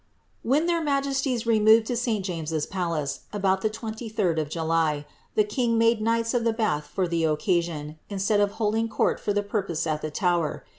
When their majesties removed to St. James's Palace, about the 23d of July, the king made knights of the Bath for the occasion, instead of holding court for that purpose at the Tower.